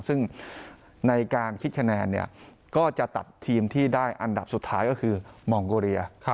ซึ่งในการคิดคะแนนก็จะตัดทีมที่ได้อันดับสุดท้ายก็คือมองโกเรีย